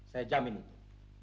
saya jamin itu